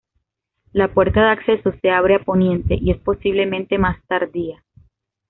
La puerta de acceso se abre a poniente, y es posiblemente más tardía.